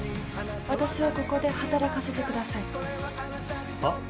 私をここで働かせてください。は？